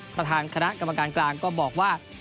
ประธานคณะกรรมการกลางก็บอกว่า